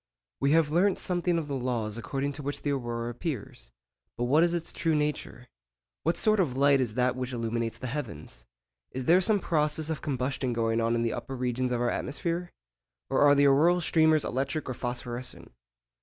We have learnt something of the laws according to which the aurora appears; but what is its true nature? What sort of light is that which illuminates the heavens? Is there some process of combustion going on in the upper regions of our atmosphere? Or are the auroral streamers electric or phosphorescent?